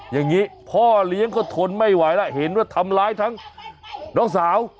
อย่างนี้พ่อเลี้ยงก็ทนไม่ไหวแล้วเห็นว่าทำร้ายทั้งน้องสาว